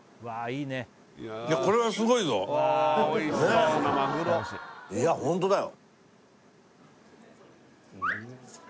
いやこれはすごいぞいやホントだよ